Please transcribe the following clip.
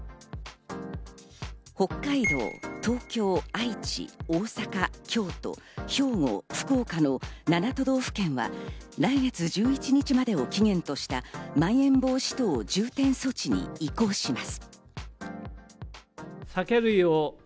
北海道、東京、愛知、大阪、京都、兵庫、福岡の７都道府県は来月１１日までを期限とした、まん延防止等重点措置に移行します。